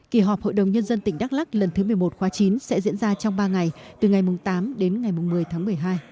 kỳ họp hội đồng nhân dân tỉnh đắk lắc lần thứ một mươi một khóa chín sẽ diễn ra trong ba ngày từ ngày tám đến ngày một mươi tháng một mươi hai